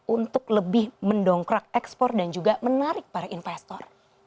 untuk lebih mendongkrak ekspor dan juga menarik para investor